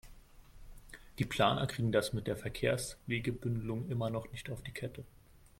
Die Planer kriegen das mit der Verkehrswegebündelung immer noch nicht auf die Kette.